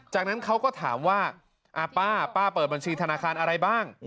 จากนั้นเขาก็ถามว่าป้าป้าเปิดบัญชีธนาคารอะไรบ้าง